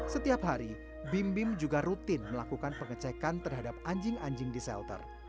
setiap hari bim bim juga rutin melakukan pengecekan terhadap anjing anjing di shelter